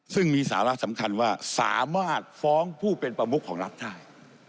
ซึ่งมีสาระสำคัญว่าสามารถฟ้องผู้เป็นประมุขของรัฐได้